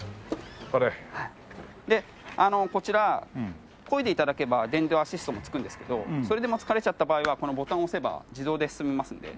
でこちらこいで頂ければ電動アシストも付くんですけどそれでも疲れちゃった場合はこのボタンを押せば自動で進みますので。